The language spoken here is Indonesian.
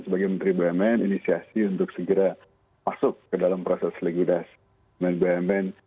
sebagai menteri bumn inisiasi untuk segera masuk ke dalam proses legoda bumn